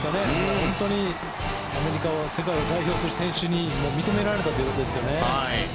本当にアメリカ、世界を代表する選手に認められたということですね。